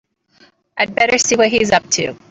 I'd better see what he's up to.